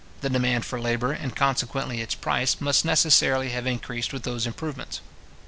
The demand for labour, and consequently its price, must necessarily have increased with those improvements.